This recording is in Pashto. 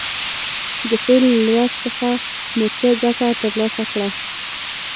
د فعل له لوست څخه مو څه ګټه تر لاسه کړه.